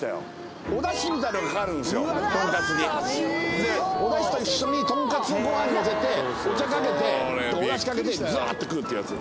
でおダシと一緒にとんかつをご飯にのせてお茶かけておダシかけてザーッて食うってやつ。